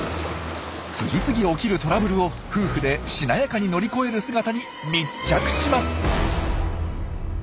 次々起きるトラブルを夫婦でしなやかに乗り越える姿に密着します。